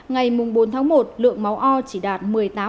ngày bốn tháng một lượng máu o chỉ đạt một mươi tám